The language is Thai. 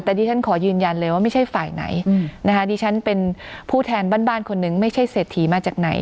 แต่ดิฉันขอยืนยันเลยว่าไม่ใช่ฝ่ายไหนนะคะดิฉันเป็นผู้แทนบ้านคนนึงไม่ใช่เศรษฐีมาจากไหน